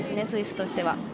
スイスとしては。